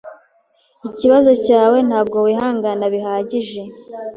Ikibazo cyawe ntabwo wihangana bihagije.